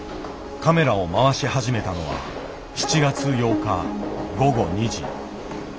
カメラを回し始めたのは７月８日午後２時。